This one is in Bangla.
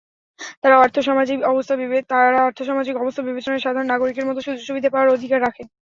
তারা আর্থসামাজিক অবস্থা বিবেচনায় সাধারণ নাগরিকের মতো সুযোগ-সুবিধা পাওয়ার অধিকার রাখে।